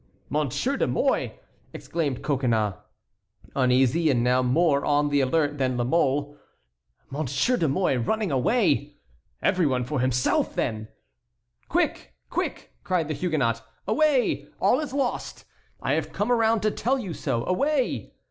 "Monsieur de Mouy!" exclaimed Coconnas, uneasy and now more on the alert than La Mole; "Monsieur de Mouy running away! Every one for himself, then!" "Quick! quick!" cried the Huguenot; "away! all is lost! I have come around to tell you so. Away!"